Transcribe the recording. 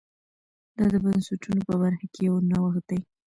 دا د بنسټونو په برخه کې یو نوښت دی.